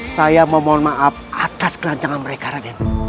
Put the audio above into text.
saya memohon maaf atas kerancangan mereka raden